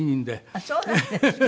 あっそうなんですか？